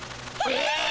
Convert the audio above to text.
え！